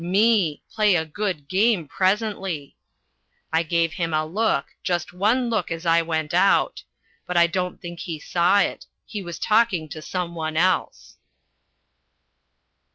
Me! Play a good game presently! I gave him a look, just one look as I went out! But I don't think he saw it. He was talking to some one else.